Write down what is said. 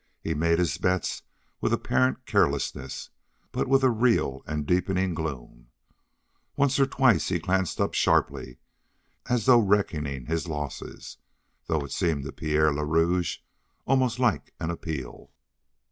He made his bets with apparent carelessness, but with a real and deepening gloom. Once or twice he glanced up sharply as though reckoning his losses, though it seemed to Pierre le Rouge almost like an appeal.